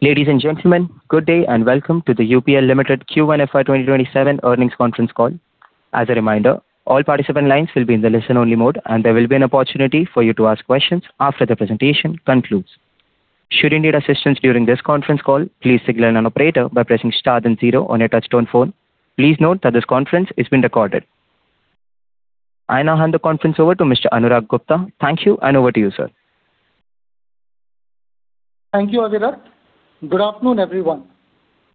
Ladies and gentlemen, good day and welcome to the UPL Limited Q1 fiscal year 2027 earnings conference call. As a reminder, all participant lines will be in the listen-only mode, and there will be an opportunity for you to ask questions after the presentation concludes. Should you need assistance during this conference call, please signal an operator by pressing star then zero on your touchtone phone. Please note that this conference is being recorded. I now hand the conference over to Mr. Anurag Gupta. Thank you, and over to you, sir. Thank you, Avirat. Good afternoon, everyone.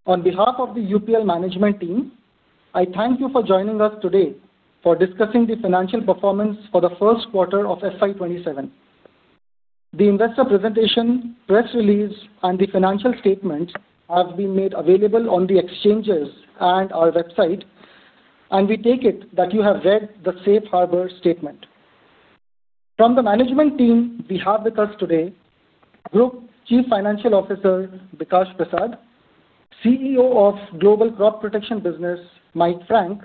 On behalf of the UPL management team, I thank you for joining us today for discussing the financial performance for the first quarter of fiscal year 2027. The investor presentation, press release, and the financial statement have been made available on the exchanges and our website. We take it that you have read the safe harbor statement. From the management team, we have with us today Group Chief Financial Officer, Bikash Prasad; Chief Executive Officer of Global Crop Protection Business, Mike Frank;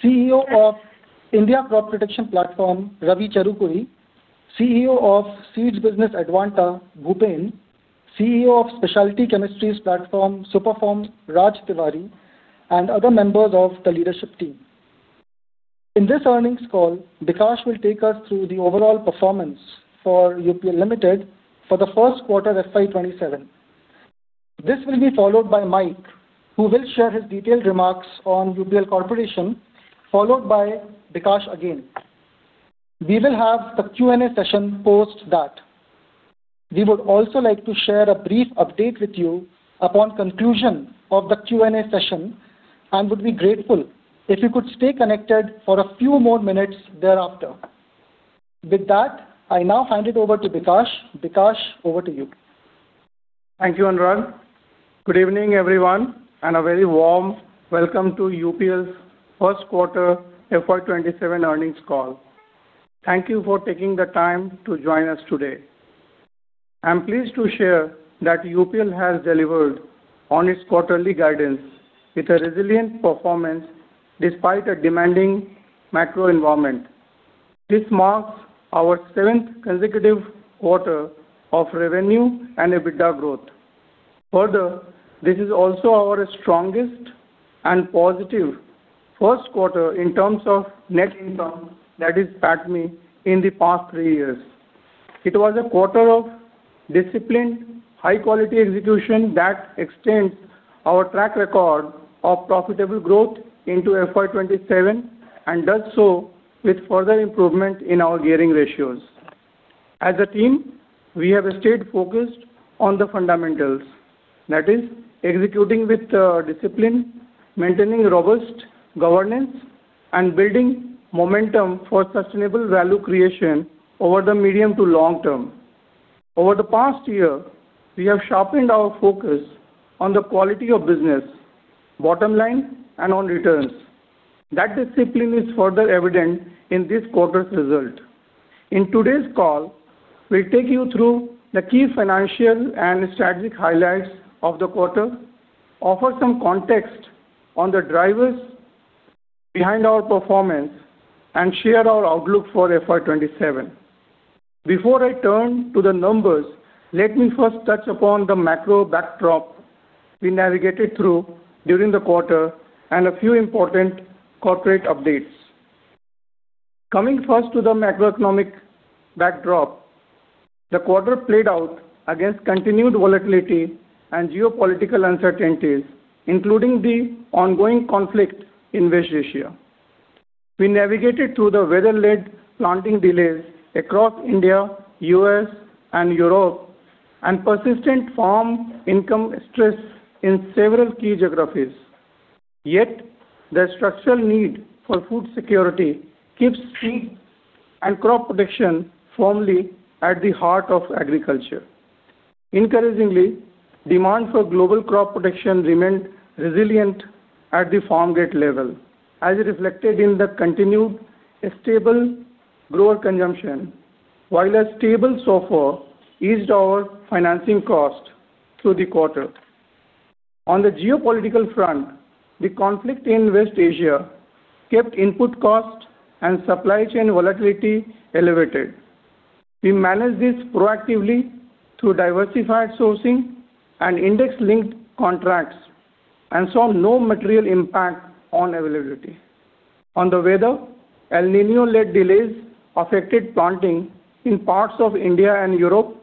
Chief Executive Officer of India Crop Protection Platform, Ravi Cherukuri; Chief Executive Officer of Seeds Business Advanta, Bhupen; Chief Executive Officer of Specialty Chemistries Platform SUPERFORM, Raj Tiwari; and other members of the leadership team. In this earnings call, Bikash will take us through the overall performance for UPL Limited for the first quarter fiscal year 2027. This will be followed by Mike, who will share his detailed remarks on UPL Corp, followed by Bikash again. We will have the question-and-answer session post that. We would also like to share a brief update with you upon conclusion of the question-and-answer session and would be grateful if you could stay connected for a few more minutes thereafter. With that, I now hand it over to Bikash. Bikash, over to you. Thank you, Anurag. Good evening, everyone, and a very warm welcome to UPL's first quarter fiscal year 2027 earnings call. Thank you for taking the time to join us today. I'm pleased to share that UPL has delivered on its quarterly guidance with a resilient performance despite a demanding macro environment. This marks our seventh consecutive quarter of revenue and EBITDA growth. Further, this is also our strongest and positive first quarter in terms of net income that is PATMI in the past three years. It was a quarter of disciplined, high-quality execution that extends our track record of profitable growth into fiscal year 2027, and does so with further improvement in our gearing ratios. As a team, we have stayed focused on the fundamentals. That is executing with discipline, maintaining robust governance, and building momentum for sustainable value creation over the medium to long term. Over the past year, we have sharpened our focus on the quality of business, bottom line, and on returns. That discipline is further evident in this quarter's result. In today's call, we will take you through the key financial and strategic highlights of the quarter, offer some context on the drivers behind our performance, and share our outlook for fiscal year 2027. Before I turn to the numbers, let me first touch upon the macro backdrop we navigated through during the quarter and a few important corporate updates. Coming first to the macroeconomic backdrop, the quarter played out against continued volatility and geopolitical uncertainties, including the ongoing conflict in West Asia. We navigated through the weather-led planting delays across India, U.S., and Europe, and persistent farm income stress in several key geographies. Yet, the structural need for food security keeps feed and crop production firmly at the heart of agriculture. Encouragingly, demand for global crop production remained resilient at the farm gate level, as reflected in the continued stable grower consumption, while a stable SOFR eased our financing cost through the quarter. On the geopolitical front, the conflict in West Asia kept input cost and supply chain volatility elevated. We managed this proactively through diversified sourcing and index-linked contracts and saw no material impact on availability. On the weather, El Niño-led delays affected planting in parts of India and Europe,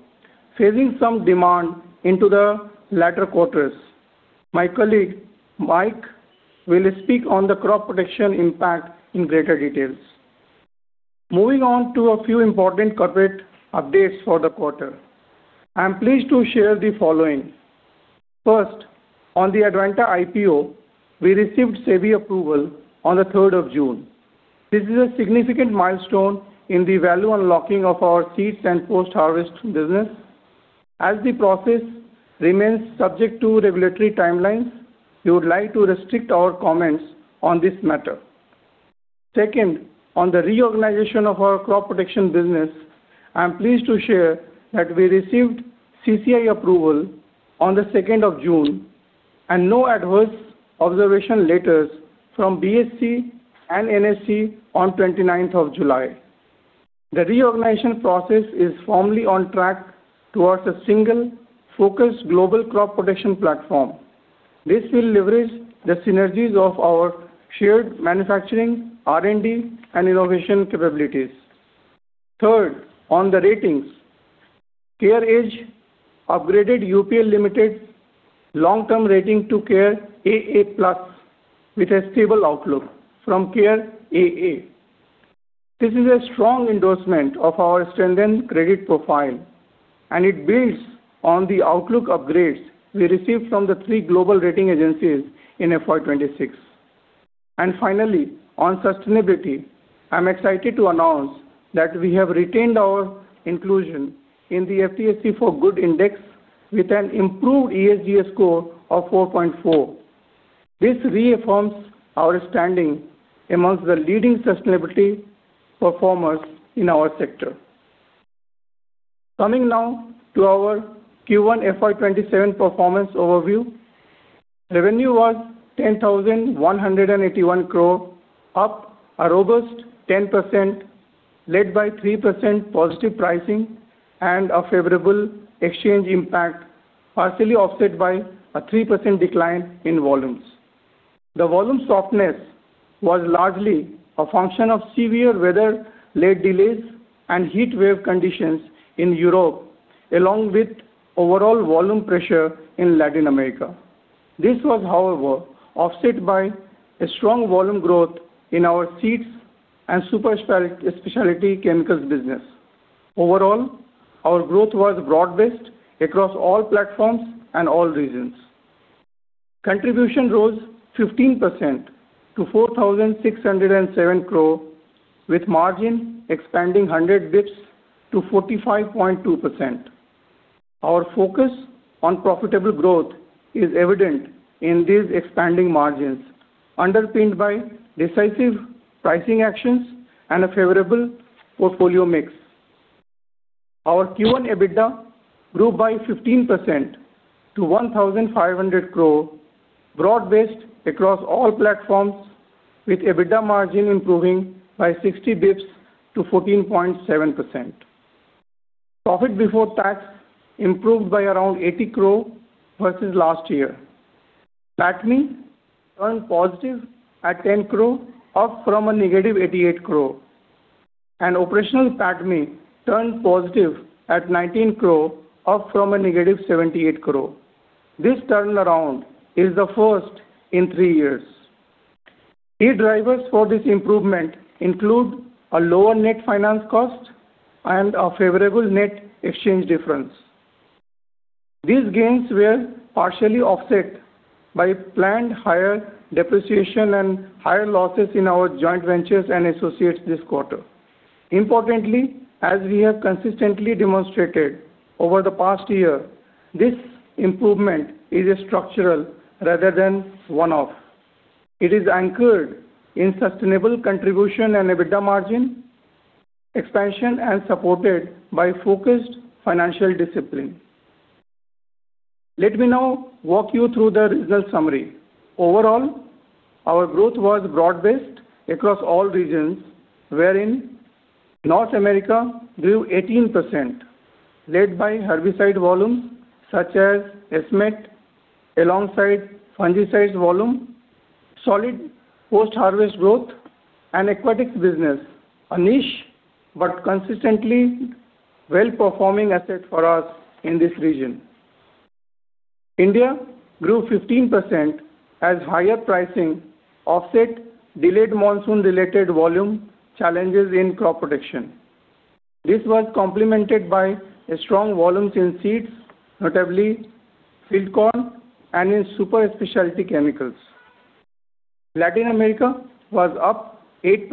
phasing some demand into the latter quarters. My colleague, Mike, will speak on the crop production impact in greater details. Moving on to a few important corporate updates for the quarter. I am pleased to share the following. First, on the Advanta IPO, we received SEBI approval on the June 3rd. This is a significant milestone in the value unlocking of our seeds and post-harvest business. As the process remains subject to regulatory timelines, we would like to restrict our comments on this matter. Second, on the reorganization of our crop protection business, I am pleased to share that we received CCI approval on the June 2nd and no adverse observation letters from BSE and NSE on July 29th. The reorganization process is formally on track towards a single focused global crop protection platform. This will leverage the synergies of our shared manufacturing, R&D, and innovation capabilities. Third, on the ratings. CareEdge upgraded UPL Limited long-term rating to CARE AA+ with a stable outlook from CARE AA. This is a strong endorsement of our strengthened credit profile, and it builds on the outlook upgrades we received from the three global rating agencies in fiscal year 2026. Finally, on sustainability, I am excited to announce that we have retained our inclusion in the FTSE4Good Index with an improved ESG score of 4.4. This reaffirms our standing amongst the leading sustainability performers in our sector. Coming now to our Q1 fiscal year 2027 performance overview. Revenue was 10,181 crore, up a robust 10%, led by 3% positive pricing and a favorable exchange impact, partially offset by a 3% decline in volumes. The volume softness was largely a function of severe weather-led delays and heatwave conditions in Europe, along with overall volume pressure in Latin America. This was, however, offset by a strong volume growth in our seeds and super specialty chemicals business. Overall, our growth was broad-based across all platforms and all regions. Contribution rose 15% to 4,607 crore, with margin expanding 100 basis points to 45.2%. Our focus on profitable growth is evident in these expanding margins, underpinned by decisive pricing actions and a favorable portfolio mix. Our Q1 EBITDA grew by 15% to 1,500 crore, broad-based across all platforms, with EBITDA margin improving by 60 basis points to 14.7%. Profit before tax improved by around 80 crore versus last year. PATMI turned positive at 10 crore, up from -88 crore, and operational PATMI turned positive at 19 crore, up from -78 crore. This turnaround is the first in three years. Key drivers for this improvement include a lower net finance cost and a favorable net exchange difference. These gains were partially offset by planned higher depreciation and higher losses in our joint ventures and associates this quarter. Importantly, as we have consistently demonstrated over the past year, this improvement is structural rather than one-off. It is anchored in sustainable contribution and EBITDA margin expansion, and supported by focused financial discipline. Let me now walk you through the results summary. Overall, our growth was broad-based across all regions, wherein North America grew 18%, led by herbicide volume such as S-metolachlor, alongside fungicides volume, solid post-harvest growth, and aquatics business, a niche but consistently well-performing asset for us in this region. India grew 15% as higher pricing offset delayed monsoon-related volume challenges in crop protection. This was complemented by strong volumes in seeds, notably field corn and in super specialty chemicals. Latin America was up 8%,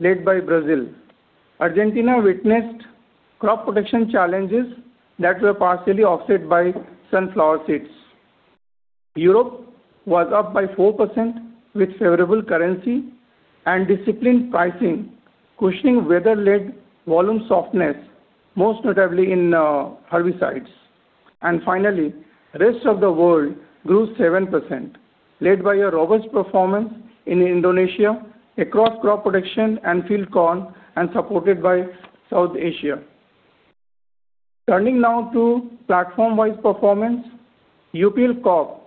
led by Brazil. Argentina witnessed crop protection challenges that were partially offset by sunflower seeds. Europe was up by 4%, with favorable currency and disciplined pricing cushioning weather-led volume softness, most notably in herbicides. Finally, the rest of the world grew 7%, led by a robust performance in Indonesia across crop protection and field corn, and supported by South Asia. Turning now to platform-wise performance. UPL Corp,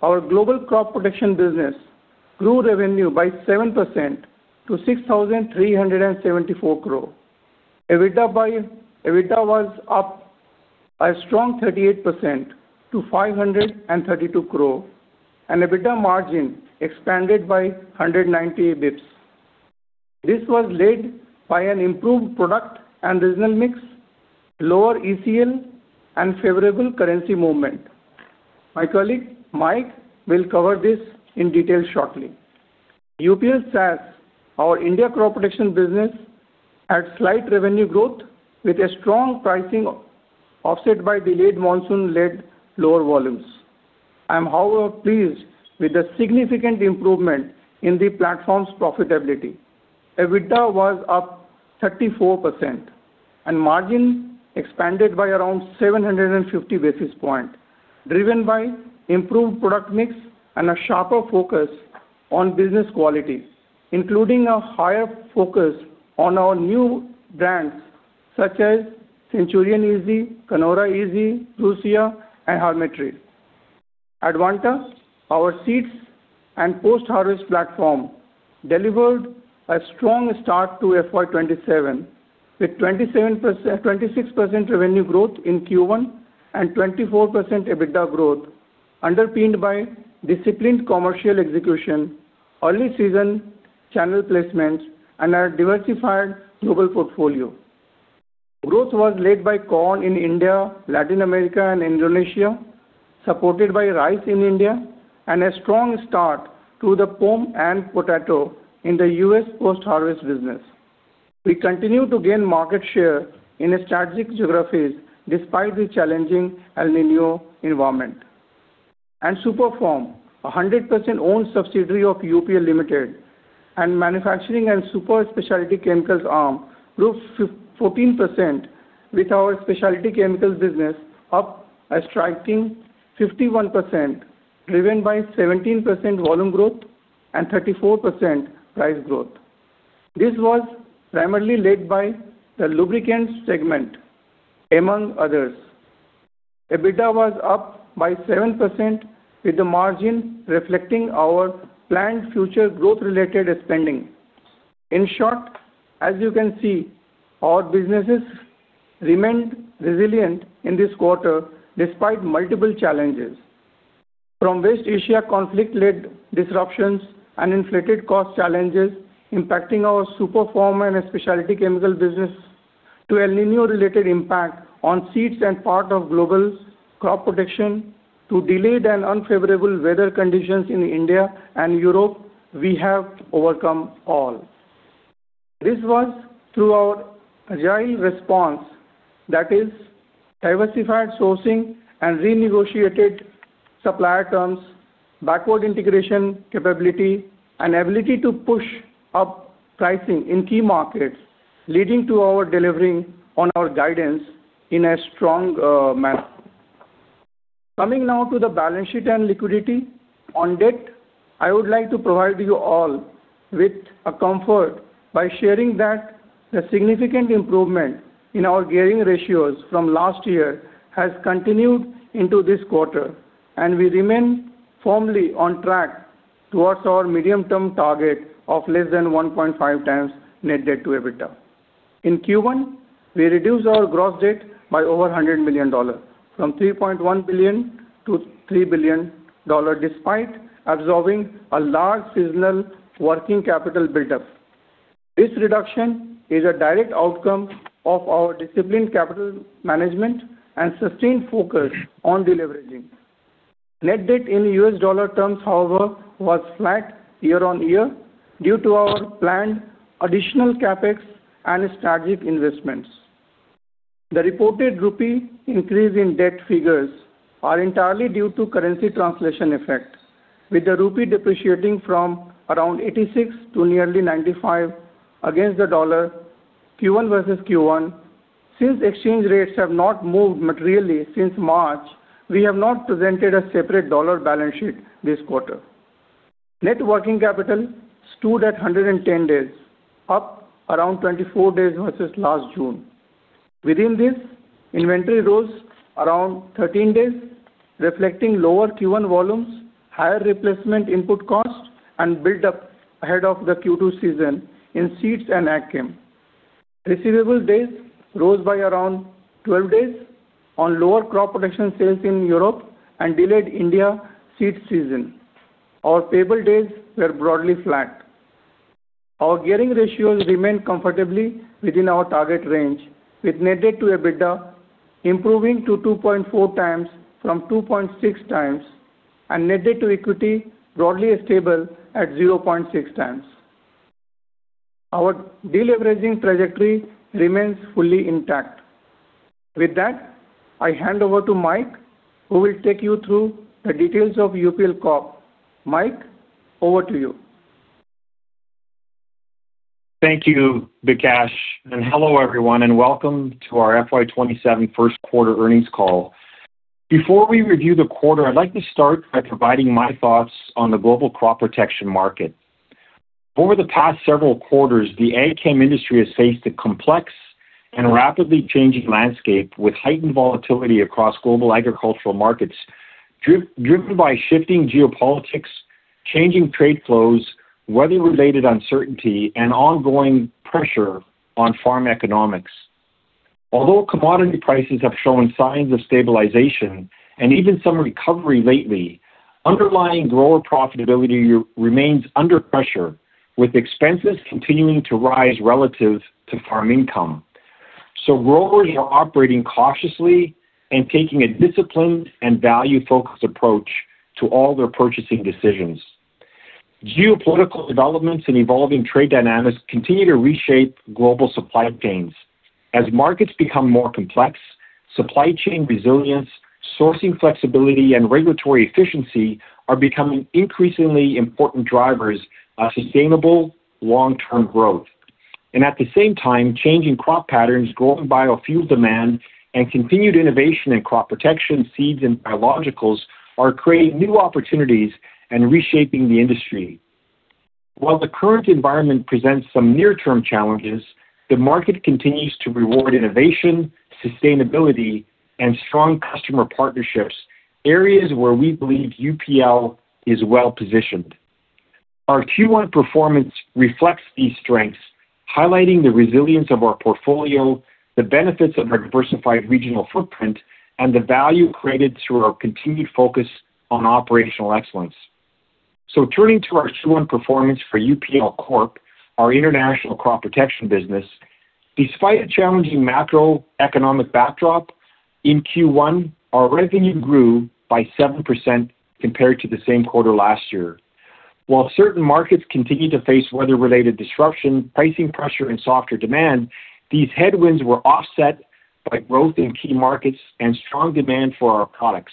our global crop protection business, grew revenue by 7% to 6,374 crore. EBITDA was up a strong 38% to 532 crore, and EBITDA margin expanded by 190 basis points. This was led by an improved product and regional mix, lower ECL, and favorable currency movement. My colleague, Mike, will cover this in detail shortly. UPL Sustainable Agri Solutions, our India crop protection business, had slight revenue growth with a strong pricing offset by delayed monsoon-led lower volumes. I am, however, pleased with the significant improvement in the platform's profitability. EBITDA was up 34%. Margin expanded by around 750 basis points, driven by improved product mix and a sharper focus on business quality, including a higher focus on our new brands such as Centurion Easy, Canora Easy, Prusia, and Harmetris. Advanta, our seeds and post-harvest platform, delivered a strong start to fiscal year 2027, with 26% revenue growth in Q1 and 24% EBITDA growth underpinned by disciplined commercial execution, early season channel placements, and a diversified global portfolio. Growth was led by corn in India, Latin America, and Indonesia, supported by rice in India, and a strong start to the pome and potato in the U.S. post-harvest business. We continue to gain market share in strategic geographies despite the challenging El Niño environment. SUPERFORM, 100% owned subsidiary of UPL Limited and manufacturing and super specialty chemicals arm, grew 14% with our specialty chemicals business up a striking 51%, driven by 17% volume growth and 34% price growth. This was primarily led by the lubricants segment, among others. EBITDA was up by 7% with the margin reflecting our planned future growth-related spending. In short, as you can see, our businesses remained resilient in this quarter despite multiple challenges. From West Asia conflict-led disruptions and inflated cost challenges impacting our SUPERFORM and specialty chemical business to El Niño-related impact on seeds and part of global crop protection to delayed and unfavorable weather conditions in India and Europe, we have overcome all. This was through our agile response that is diversified sourcing and renegotiated supplier terms, backward integration capability, and ability to push up pricing in key markets, leading to our delivering on our guidance in a strong manner. Coming now to the balance sheet and liquidity. On debt, I would like to provide you all with a comfort by sharing that the significant improvement in our gearing ratios from last year has continued into this quarter, and we remain firmly on track towards our medium-term target of less than 1.5x net debt-to-EBITDA. In Q1, we reduced our gross debt by over $100 million, from $3.1 billion-$3 billion, despite absorbing a large seasonal working capital buildup. This reduction is a direct outcome of our disciplined capital management and sustained focus on deleveraging. Net debt in U.S. dollar terms, however, was flat year on year due to our planned additional CapEx and strategic investments. The reported INR increase in debt figures are entirely due to currency translation effect, with the INR depreciating from around 86 to nearly 95 against the U.S. dollar Q1 versus Q1. Since exchange rates have not moved materially since March, we have not presented a separate dollar balance sheet this quarter. Net working capital stood at 110 days, up around 24 days versus last June. Within this, inventory rose around 13 days, reflecting lower Q1 volumes, higher replacement input cost, and build up ahead of the Q2 season in seeds and ag chem. Receivable days rose by around 12 days on lower crop protection sales in Europe and delayed India seed season. Our payable days were broadly flat. Our gearing ratios remain comfortably within our target range, with net debt-to-EBITDA improving to 2.4x from 2.6x, and net debt-to-equity broadly stable at 0.6x. Our deleveraging trajectory remains fully intact. With that, I hand over to Mike, who will take you through the details of UPL Corp. Mike, over to you. Thank you, Bikash, hello everyone, welcome to our fiscal year 2027 first quarter earnings call. Before we review the quarter, I'd like to start by providing my thoughts on the global crop protection market. Over the past several quarters, the ag chem industry has faced a complex and rapidly changing landscape with heightened volatility across global agricultural markets, driven by shifting geopolitics, changing trade flows, weather-related uncertainty, and ongoing pressure on farm economics. Although commodity prices have shown signs of stabilization and even some recovery lately, underlying grower profitability remains under pressure, with expenses continuing to rise relative to farm income. Growers are operating cautiously and taking a disciplined and value-focused approach to all their purchasing decisions. Geopolitical developments and evolving trade dynamics continue to reshape global supply chains. As markets become more complex. Supply chain resilience, sourcing flexibility, and regulatory efficiency are becoming increasingly important drivers of sustainable long-term growth. At the same time, changing crop patterns, growing biofuel demand, and continued innovation in crop protection, seeds, and biologicals are creating new opportunities and reshaping the industry. While the current environment presents some near-term challenges, the market continues to reward innovation, sustainability, and strong customer partnerships, areas where we believe UPL is well-positioned. Our Q1 performance reflects these strengths, highlighting the resilience of our portfolio, the benefits of our diversified regional footprint, and the value created through our continued focus on operational excellence. Turning to our Q1 performance for UPL Corp, our international crop protection business. Despite a challenging macroeconomic backdrop, in Q1, our revenue grew by 7% compared to the same quarter last year. While certain markets continue to face weather-related disruption, pricing pressure, and softer demand, these headwinds were offset by growth in key markets and strong demand for our products.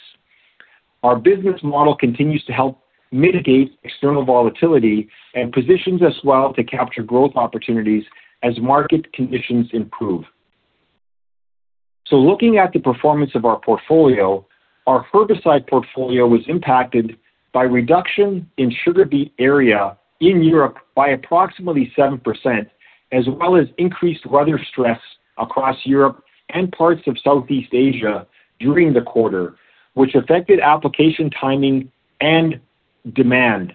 Our business model continues to help mitigate external volatility and positions us well to capture growth opportunities as market conditions improve. Looking at the performance of our portfolio, our herbicide portfolio was impacted by reduction in sugar beet area in Europe by approximately 7%, as well as increased weather stress across Europe and parts of Southeast Asia during the quarter, which affected application timing and demand.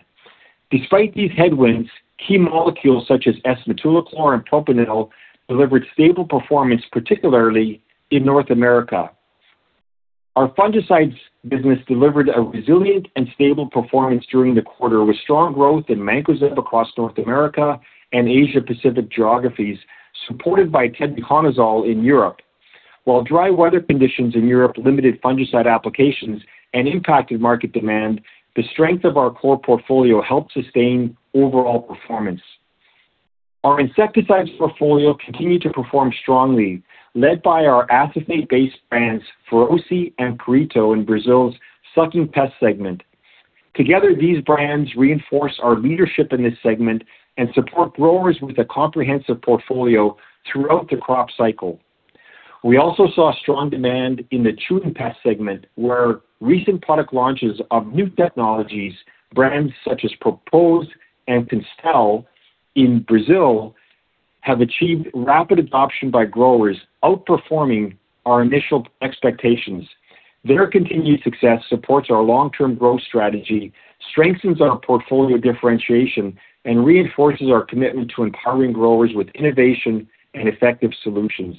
Despite these headwinds, key molecules such as S-metolachlor and propanil delivered stable performance, particularly in North America. Our fungicides business delivered a resilient and stable performance during the quarter, with strong growth in mancozeb across North America and Asia-Pacific geographies, supported by tebuconazole in Europe. While dry weather conditions in Europe limited fungicide applications and impacted market demand, the strength of our core portfolio helped sustain overall performance. Our insecticides portfolio continued to perform strongly, led by our acephate-based brands, Feroce and Perito in Brazil's sucking pest segment. Together, these brands reinforce our leadership in this segment and support growers with a comprehensive portfolio throughout the crop cycle. We also saw strong demand in the chewing pest segment, where recent product launches of new technologies, brands such as Propose and Constel in Brazil have achieved rapid adoption by growers, outperforming our initial expectations. Their continued success supports our long-term growth strategy, strengthens our portfolio differentiation, and reinforces our commitment to empowering growers with innovation and effective solutions.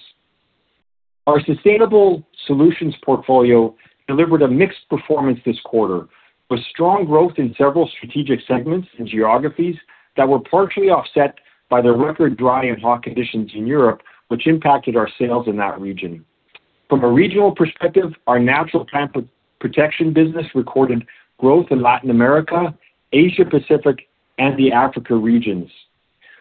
Our sustainable solutions portfolio delivered a mixed performance this quarter, with strong growth in several strategic segments and geographies that were partially offset by the record dry and hot conditions in Europe, which impacted our sales in that region. From a regional perspective, our natural plant protection business recorded growth in Latin America, Asia-Pacific, and the Africa regions.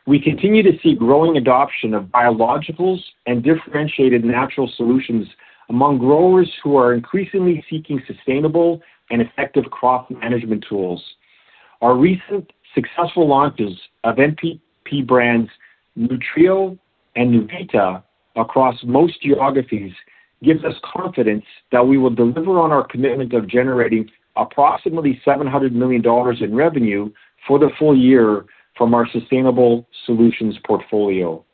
We continue to see growing adoption of biologicals and differentiated natural solutions among growers who are increasingly seeking sustainable and effective crop management tools. Our recent successful launches of NPP brands, Nutrio and Nuvita, across most geographies gives us confidence that we will deliver on our commitment of generating approximately $700 million in revenue for the full year from our sustainable solutions portfolio.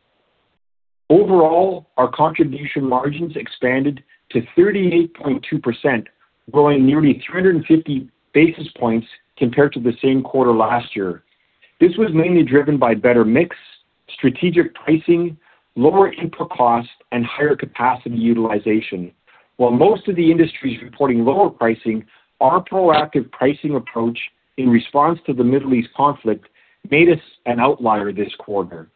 Overall, our contribution margins expanded to 38.2%, growing nearly 350 basis points compared to the same quarter last year. This was mainly driven by better mix, strategic pricing, lower input costs, and higher capacity utilization. While most of the industry is reporting lower pricing, our proactive pricing approach in response to the Middle East conflict made us an outlier this quarter.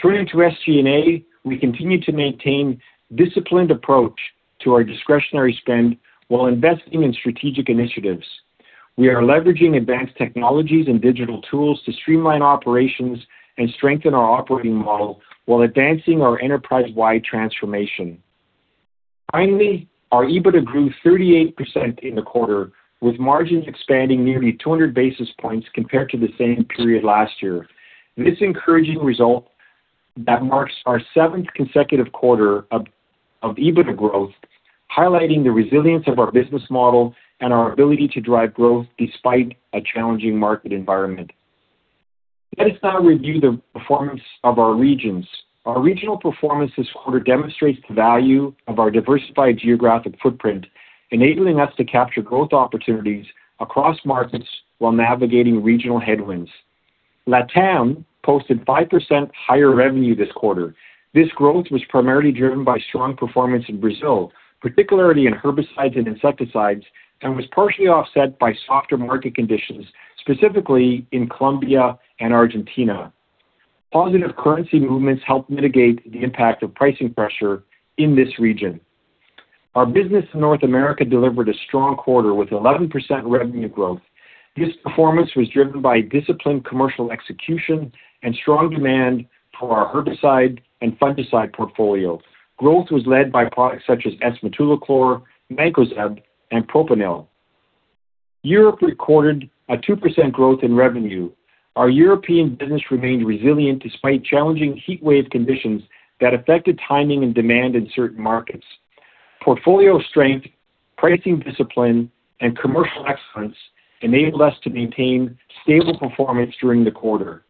Turning to SG&A, we continue to maintain disciplined approach to our discretionary spend while investing in strategic initiatives. We are leveraging advanced technologies and digital tools to streamline operations and strengthen our operating model while advancing our enterprise-wide transformation. Finally, our EBITDA grew 38% in the quarter, with margins expanding nearly 200 basis points compared to the same period last year. This encouraging result that marks our seventh consecutive quarter of EBITDA growth, highlighting the resilience of our business model and our ability to drive growth despite a challenging market environment. Let us now review the performance of our regions. Our regional performance this quarter demonstrates the value of our diversified geographic footprint, enabling us to capture growth opportunities across markets while navigating regional headwinds. LATAM posted 5% higher revenue this quarter. This growth was primarily driven by strong performance in Brazil, particularly in herbicides and insecticides, and was partially offset by softer market conditions, specifically in Colombia and Argentina. Positive currency movements helped mitigate the impact of pricing pressure in this region. Our business in North America delivered a strong quarter with 11% revenue growth. This performance was driven by disciplined commercial execution and strong demand for our herbicide and fungicide portfolio. Growth was led by products such as S-metolachlor, mancozeb, and propanil. Europe recorded a 2% growth in revenue. Our European business remained resilient despite challenging heatwave conditions that affected timing and demand in certain markets. Portfolio strength, pricing discipline, and commercial excellence enabled us to maintain stable performance during the quarter.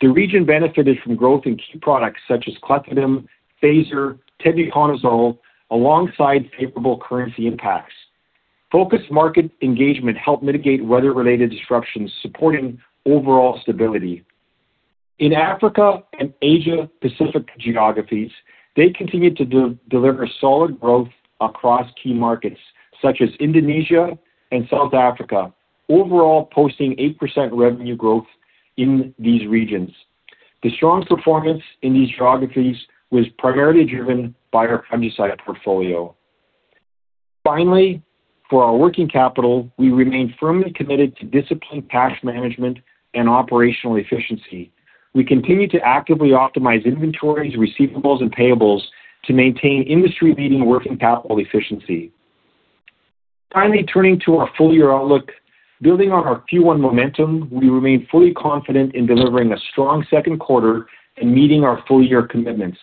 The region benefited from growth in key products such as clethodim, Fazer, tebuconazole, alongside favorable currency impacts. Focused market engagement helped mitigate weather-related disruptions, supporting overall stability. In Africa and Asia Pacific geographies, they continued to deliver solid growth across key markets such as Indonesia and South Africa, overall posting 8% revenue growth in these regions. The strong performance in these geographies was primarily driven by our fungicide portfolio. Finally, for our working capital, we remain firmly committed to disciplined cash management and operational efficiency. We continue to actively optimize inventories, receivables, and payables to maintain industry-leading working capital efficiency. Finally, turning to our full-year outlook. Building on our Q1 momentum, we remain fully confident in delivering a strong second quarter and meeting our full-year commitments.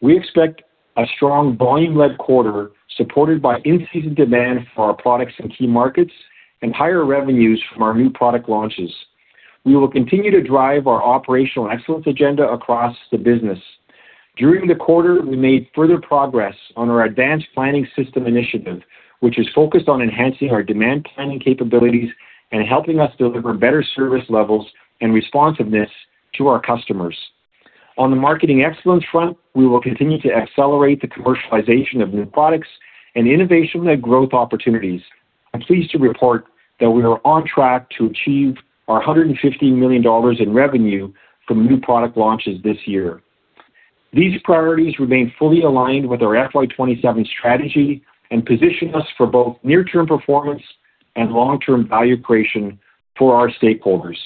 We expect a strong volume-led quarter supported by in-season demand for our products in key markets and higher revenues from our new product launches. We will continue to drive our operational excellence agenda across the business. During the quarter, we made further progress on our advanced planning system initiative, which is focused on enhancing our demand planning capabilities and helping us deliver better service levels and responsiveness to our customers. On the marketing excellence front, we will continue to accelerate the commercialization of new products and innovation-led growth opportunities. I'm pleased to report that we are on track to achieve our INR 150 million in revenue from new product launches this year. These priorities remain fully aligned with our fiscal year 2027 strategy and position us for both near-term performance and long-term value creation for our stakeholders.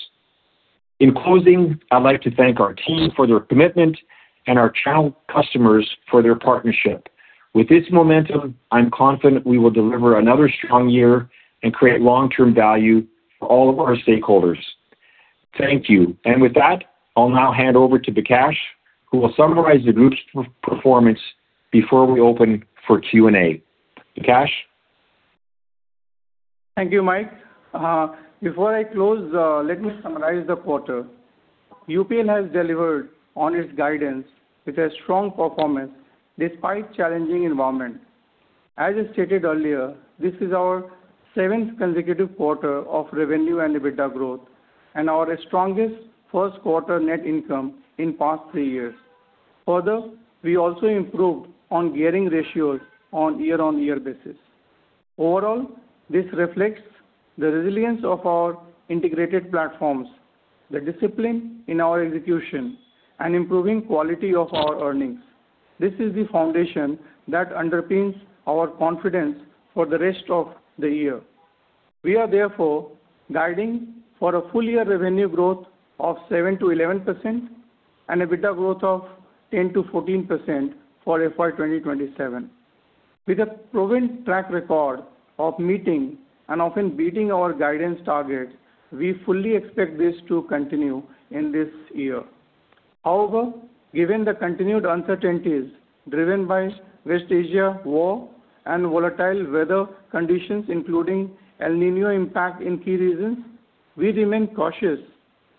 In closing, I'd like to thank our team for their commitment and our channel customers for their partnership. With this momentum, I'm confident we will deliver another strong year and create long-term value for all of our stakeholders. Thank you. With that, I'll now hand over to Bikash, who will summarize the group's performance before we open for question-and-answer. Bikash? Thank you, Mike. Before I close, let me summarize the quarter. UPL has delivered on its guidance with a strong performance despite challenging environment. As I stated earlier, this is our seventh consecutive quarter of revenue and EBITDA growth and our strongest first quarter net income in past three years. Further, we also improved on gearing ratios on year-on-year basis. Overall, this reflects the resilience of our integrated platforms, the discipline in our execution, and improving quality of our earnings. This is the foundation that underpins our confidence for the rest of the year. We are therefore guiding for a full-year revenue growth of 7%-11% and EBITDA growth of 10%-14% for fiscal year 2027. With a proven track record of meeting and often beating our guidance targets, we fully expect this to continue in this year. Given the continued uncertainties driven by West Asia war and volatile weather conditions, including El Niño impact in key regions, we remain cautious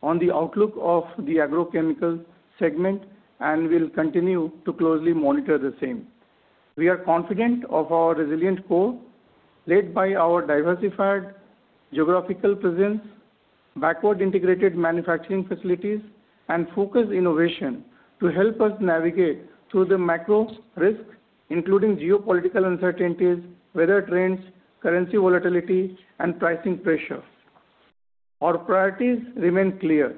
on the outlook of the agrochemical segment and will continue to closely monitor the same. We are confident of our resilient core, led by our diversified geographical presence, backward-integrated manufacturing facilities, and focused innovation to help us navigate through the macro risks, including geopolitical uncertainties, weather trends, currency volatility, and pricing pressure. Our priorities remain clear: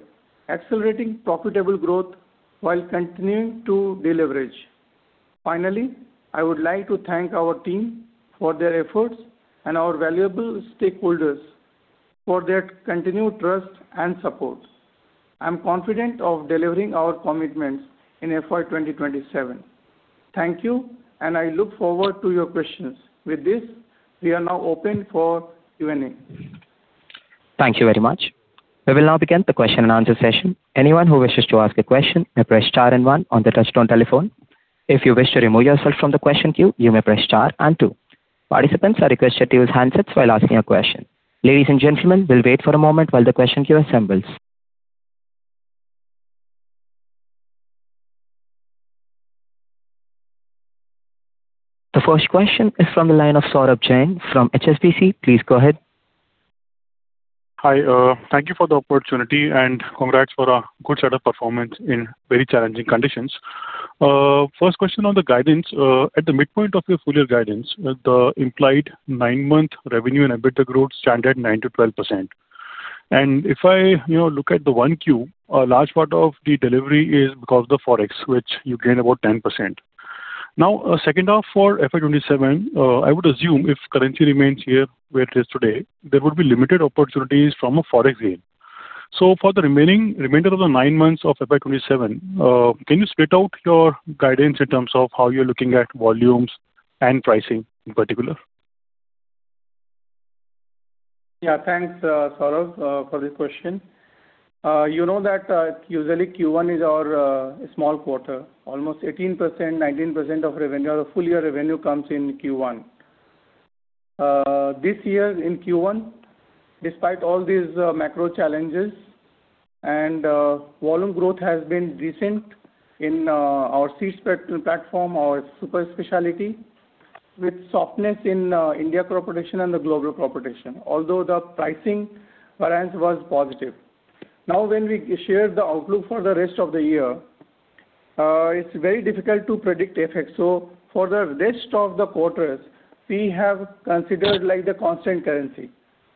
accelerating profitable growth while continuing to deleverage. Finally, I would like to thank our team for their efforts and our valuable stakeholders for their continued trust and support. I'm confident of delivering our commitments in fiscal year 2027. Thank you, and I look forward to your questions. With this, we are now open for question-and-answer. Thank you very much. We will now begin the question-and-answer session. Anyone who wishes to ask a question may press star and one on the touchtone telephone. If you wish to remove yourself from the question queue, you may press star and two. Participants are requested to use handsets while asking a question. Ladies and gentlemen, we will wait for a moment while the question queue assembles. The first question is from the line of Saurabh Jain from HSBC. Please go ahead. Hi. Thank you for the opportunity, congrats for a good set of performance in very challenging conditions. First question on the guidance. At the midpoint of your full-year guidance, the implied nine-month revenue and EBITDA growth stand at 9%-12%. If I look at the 1Q, a large part of the delivery is because of the ForEx, which you gain about 10%. Second off, for fiscal year 2027, I would assume if currency remains here, where it is today, there would be limited opportunities from a ForEx gain. For the remainder of the nine months of fiscal year 2027, can you split out your guidance in terms of how you are looking at volumes and pricing in particular? Yeah. Thanks, Saurabh, for this question. You know that usually Q1 is our small quarter. Almost 18%, 19% of full year revenue comes in Q1. This year in Q1, despite all these macro challenges, volume growth has been decent in our seeds platform, our super specialty, with softness in India crop protection and the global crop protection, although the pricing variance was positive. When we share the outlook for the rest of the year, it is very difficult to predict FX. For the rest of the quarters, we have considered like the constant currency.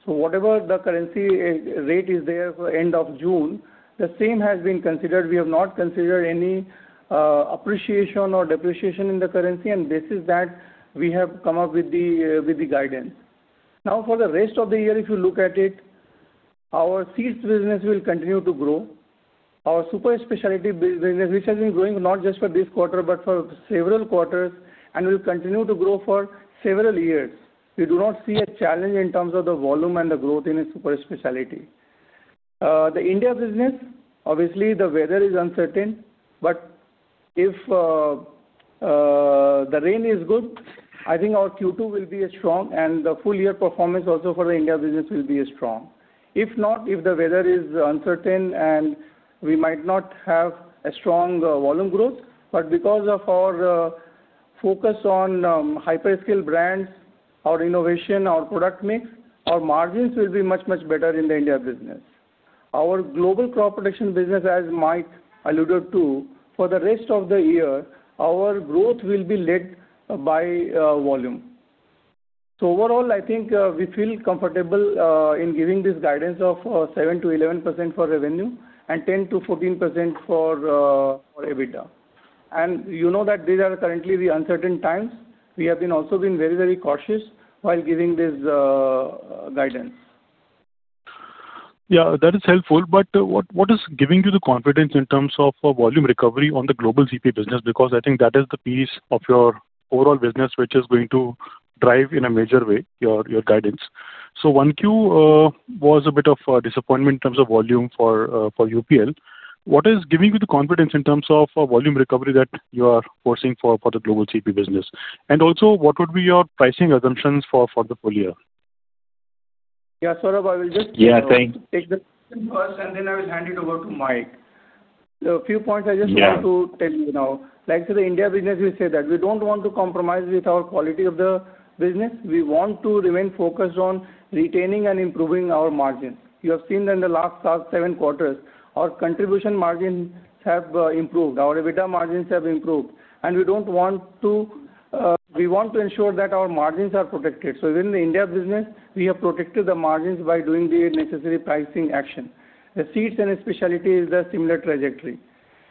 Whatever the currency rate is there for end of June, the same has been considered. We have not considered any appreciation or depreciation in the currency, and this is that we have come up with the guidance. For the rest of the year, if you look at it, our seeds business will continue to grow. Our super specialty business, which has been growing not just for this quarter, but for several quarters and will continue to grow for several years. We do not see a challenge in terms of the volume and the growth in our super specialty. The India business, obviously the weather is uncertain, but if the rain is good, I think our Q2 will be strong and the full year performance also for the India business will be strong. If not, if the weather is uncertain and we might not have a strong volume growth, but because of our focus on hyperscale brands, our innovation, our product mix, our margins will be much, much better in the India business. Our global crop protection business, as Mike alluded to, for the rest of the year, our growth will be led by volume. Overall, I think, we feel comfortable, in giving this guidance of 7%-11% for revenue and 10%-14% for EBITDA. You know that these are currently the uncertain times. We have also been very cautious while giving this guidance. That is helpful, what is giving you the confidence in terms of volume recovery on the global CP business? Because I think that is the piece of your overall business, which is going to drive in a major way, your guidance. 1Q was a bit of a disappointment in terms of volume for UPL. What is giving you the confidence in terms of volume recovery that you are foresee for the global CP business? Also, what would be your pricing assumptions for the full year? Saurabh, I will take the question first, then I will hand it over to Mike. A few points I just want to tell you now. To the India business, we say that we don't want to compromise with our quality of the business. We want to remain focused on retaining and improving our margins. You have seen in the last seven quarters, our contribution margins have improved, our EBITDA margins have improved, we want to ensure that our margins are protected. Within the India business, we have protected the margins by doing the necessary pricing action. The seeds and specialty is a similar trajectory.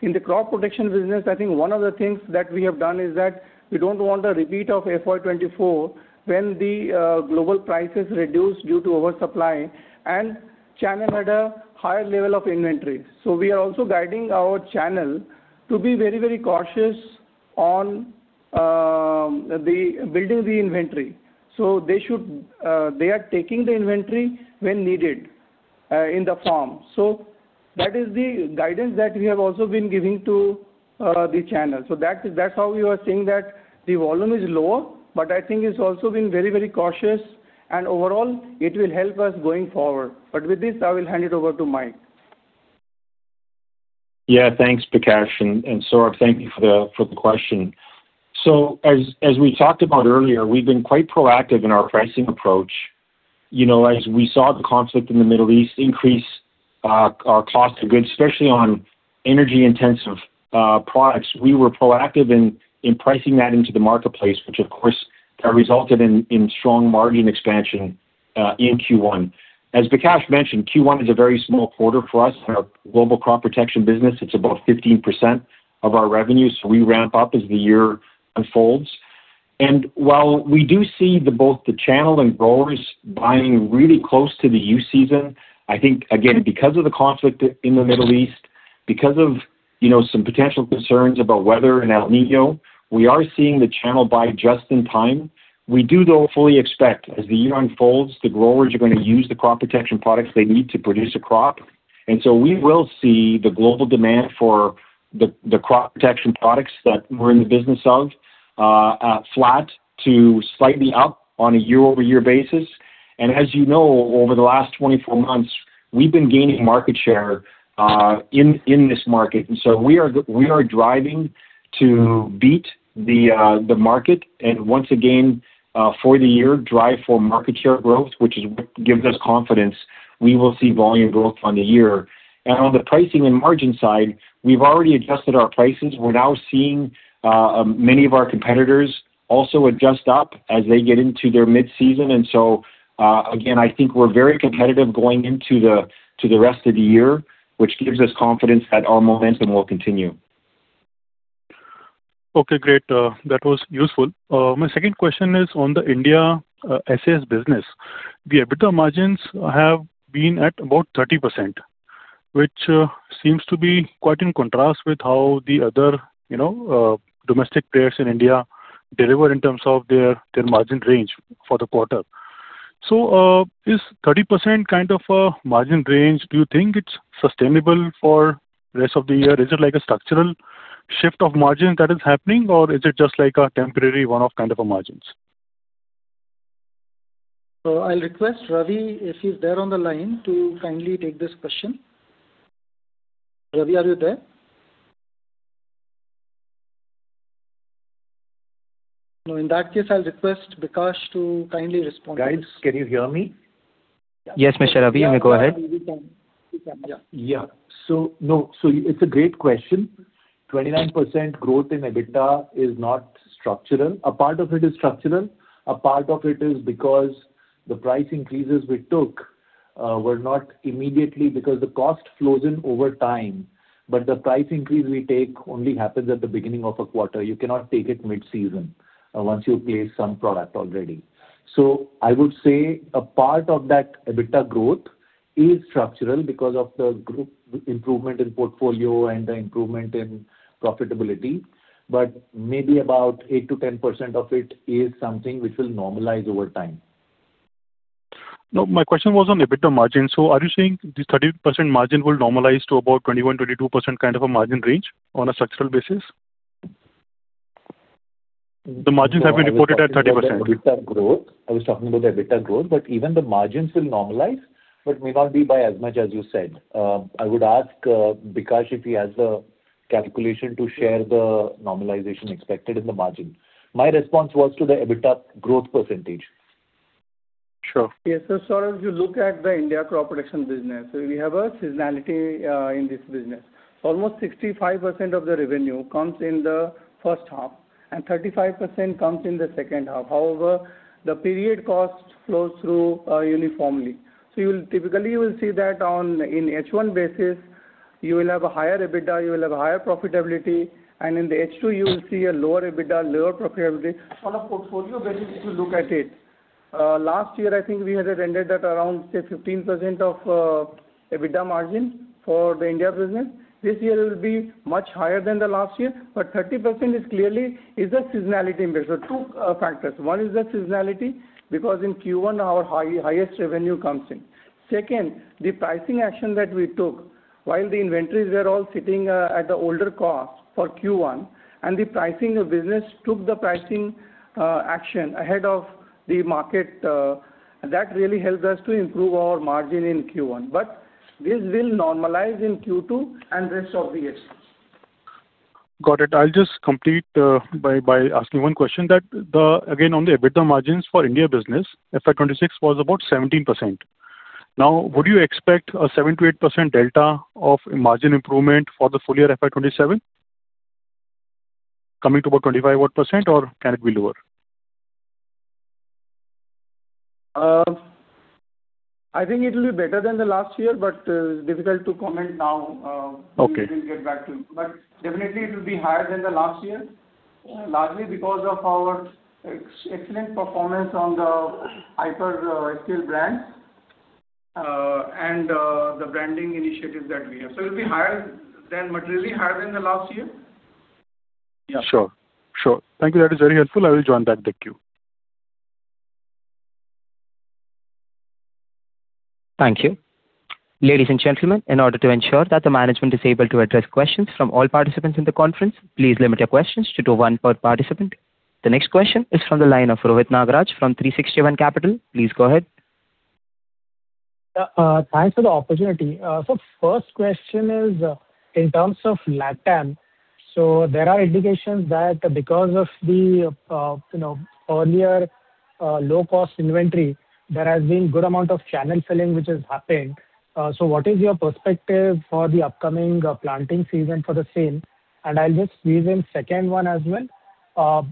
In the crop protection business, I think one of the things that we have done is that we don't want a repeat of fiscal year 2024 when the global prices reduced due to oversupply, channel had a higher level of inventory. We are also guiding our channel to be very cautious on building the inventory. They are taking the inventory when needed in the farm. That is the guidance that we have also been giving to the channel. That's how we were saying that the volume is low, I think it's also being very cautious, overall, it will help us going forward. With this, I will hand it over to Mike. Thanks, Bikash, Saurabh, thank you for the question. As we talked about earlier, we've been quite proactive in our pricing approach. As we saw the conflict in the Middle East increase our cost of goods, especially on energy-intensive products, we were proactive in pricing that into the marketplace, which of course, resulted in strong margin expansion in Q1. As Bikash mentioned, Q1 is a very small quarter for us in our global crop protection business. It's about 15% of our revenue, we ramp up as the year unfolds. While we do see both the channel and growers buying really close to the U season, I think, again, because of the conflict in the Middle East, because of some potential concerns about weather and El Niño, we are seeing the channel buy just in time. We do, though, fully expect, as the year unfolds, the growers are going to use the crop protection products they need to produce a crop. We will see the global demand for the crop protection products that we're in the business of flat to slightly up on a year-over-year basis. As you know, over the last 24 months, we've been gaining market share in this market. We are driving to beat the market, once again, for the year, drive for market share growth, which is what gives us confidence we will see volume growth on the year. On the pricing and margin side, we have already adjusted our prices. We are now seeing many of our competitors also adjust up as they get into their mid-season. So, again, I think we are very competitive going into the rest of the year, which gives us confidence that our momentum will continue. Okay, great. That was useful. My second question is on the India SAS business. The EBITDA margins have been at about 30%, which seems to be quite in contrast with how the other domestic players in India deliver in terms of their margin range for the quarter. Is 30% kind of a margin range, do you think it is sustainable for the rest of the year? Is it like a structural shift of margin that is happening or is it just like a temporary one-off kind of a margins? I will request Ravi if he is there on the line to kindly take this question. Ravi, are you there? No, in that case, I will request Bikash to kindly respond. Guys, can you hear me? Yes, Mr. Ravi, you may go ahead. Yeah. Yeah. It's a great question. 29% growth in EBITDA is not structural. A part of it is structural, a part of it is because the price increases we took were not immediate because the cost flows in over time, but the price increase we take only happens at the beginning of a quarter. You cannot take it mid-season once you place some product already. I would say a part of that EBITDA growth is structural because of the group improvement in portfolio and the improvement in profitability, but maybe about 8%-10% of it is something which will normalize over time. No, my question was on EBITDA margin. Are you saying the 30% margin will normalize to about 21%-22% kind of a margin range on a structural basis? The margins have been reported at 30%. I was talking about the EBITDA growth, but even the margins will normalize, but may not be by as much as you said. I would ask Bikash if he has the calculation to share the normalization expected in the margin. My response was to the EBITDA growth percentage. Sure. As you look at the India crop production business, we have a seasonality in this business. Almost 65% of the revenue comes in the first half and 35% comes in the second half. However, the period cost flows through uniformly. Typically, you will see that in H1 basis, you will have a higher EBITDA, you will have a higher profitability, and in the H2, you will see a lower EBITDA, lower profitability on a portfolio basis if you look at it. Last year, I think we had rendered at around, say, 15% of EBITDA margin for the India business. This year it will be much higher than the last year. 30% clearly is a seasonality impact. Two factors. One is the seasonality, because in Q1 our highest revenue comes in. Second, the pricing action that we took while the inventories were all sitting at the older cost for Q1 and the pricing of business took the pricing action ahead of the market. That really helped us to improve our margin in Q1, but this will normalize in Q2 and rest of the years. Got it. I'll just complete by asking one question. Again, on the EBITDA margins for India business, fiscal year 2026 was about 17%. Would you expect a 7%-8% delta of margin improvement for the full year fiscal year 2027? Coming to about 25% odd or can it be lower? I think it will be better than the last year, but difficult to comment now. We will get back to you. Definitely it will be higher than the last year, largely because of our excellent performance on the Hyper-Scale brand, and the branding initiatives that we have. It will be materially higher than the last year. Sure. Thank you. That is very helpful. I will join back the queue. Thank you. Ladies and gentlemen, in order to ensure that the management is able to address questions from all participants in the conference, please limit your questions to one per participant. The next question is from the line of Rohit Nagaraj from 360 ONE Capital. Please go ahead. Thanks for the opportunity. First question is in terms of LatAm. There are indications that because of the earlier low-cost inventory, there has been good amount of channel filling, which has happened. What is your perspective for the upcoming planting season for the same? I will just squeeze in second one as well.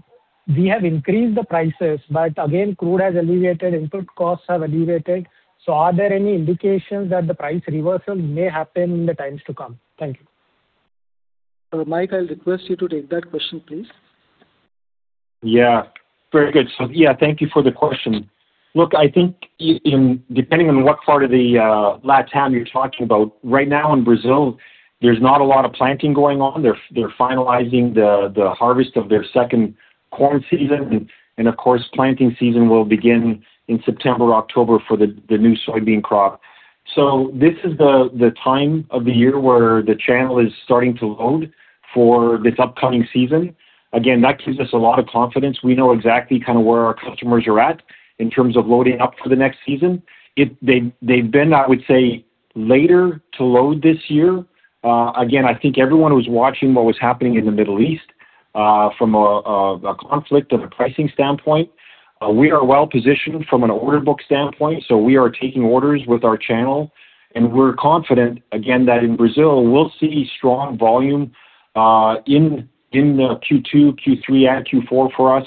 We have increased the prices, again, crude has alleviated, input costs have alleviated. Are there any indications that the price reversal may happen in the times to come? Thank you. Mike, I'll request you to take that question, please. Yeah. Very good. Thank you for the question. Look, I think depending on what part of the LatAm you're talking about, right now in Brazil, there's not a lot of planting going on. They're finalizing the harvest of their second corn season, and of course, planting season will begin in September or October for the new soybean crop. This is the time of the year where the channel is starting to load for this upcoming season. Again, that gives us a lot of confidence. We know exactly where our customers are at in terms of loading up for the next season. They've been, I would say, later to load this year. Again, I think everyone was watching what was happening in the Middle East from a conflict and a pricing standpoint. We are well positioned from an order book standpoint. We are taking orders with our channel, and we're confident, again, that in Brazil we'll see strong volume in the Q2, Q3, and Q4 for us.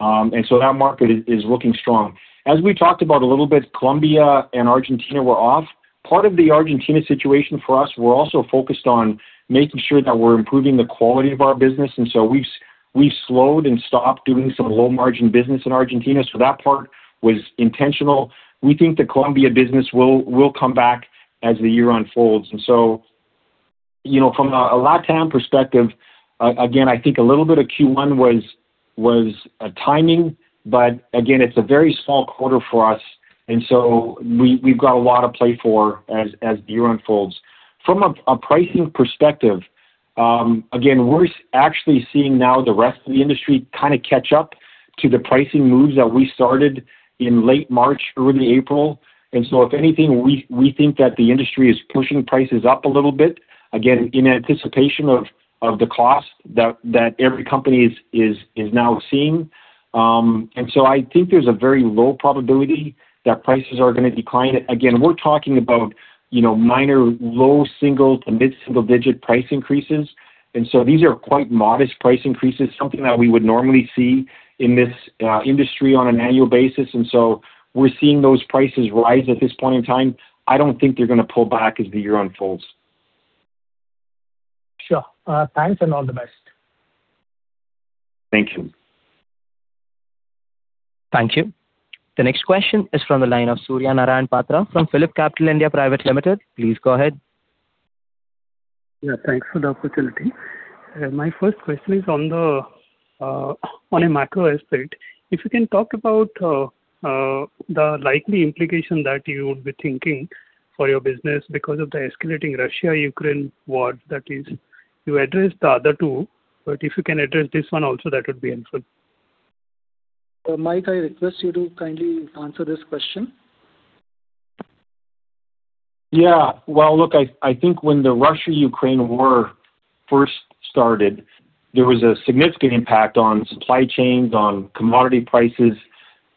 That market is looking strong. As we talked about a little bit, Colombia and Argentina were off. Part of the Argentina situation for us, we're also focused on making sure that we're improving the quality of our business, we've slowed and stopped doing some low-margin business in Argentina. That part was intentional. We think the Colombia business will come back as the year unfolds. From a LatAm perspective, again, I think a little bit of Q1 was a timing. Again, it's a very small quarter for us, we've got a lot to play for as the year unfolds. From a pricing perspective, again, we're actually seeing now the rest of the industry kind of catch up to the pricing moves that we started in late March, early April. If anything, we think that the industry is pushing prices up a little bit, again, in anticipation of the cost that every company is now seeing. I think there's a very low probability that prices are going to decline. Again, we're talking about minor low single to mid-single digit price increases, these are quite modest price increases, something that we would normally see in this industry on an annual basis. We're seeing those prices rise at this point in time. I don't think they're going to pull back as the year unfolds. Sure. Thanks and all the best. Thank you. Thank you. The next question is from the line of Surya Narayan Patra from PhillipCapital, India Private Limited. Please go ahead. Yeah, thanks for the opportunity. My first question is on a macro aspect. If you can talk about the likely implication that you would be thinking for your business because of the escalating Russia-Ukraine war. That is, you addressed the other two, but if you can address this one also, that would be helpful. Mike, I request you to kindly answer this question. Well, look, I think when the Russia-Ukraine war first started, there was a significant impact on supply chains, on commodity prices,